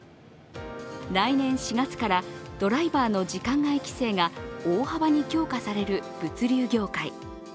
来年４月からドライバーの時間外規制が大幅に強化される物流業界。